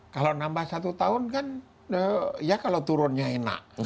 kalau nambah satu tahun kan ya kalau turunnya enak